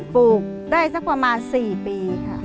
ปลูกได้สักประมาณ๔ปีค่ะ